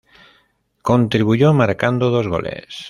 Contribuyó marcando dos goles.